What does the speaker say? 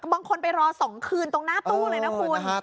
บางคนไปรอ๒คืนตรงหน้าตู้เลยนะคุณ